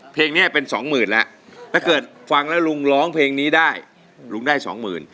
เพลงนี้เป็นสองหมื่นแล้วถ้าเกิดฟังแล้วลุงร้องเพลงนี้ได้ลุงได้สองหมื่น